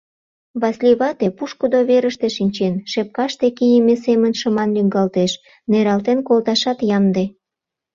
Васлий вате, пушкыдо верыште шинчен, шепкаште кийыме семын шыман лӱҥгалтеш, нералтен колташат ямде.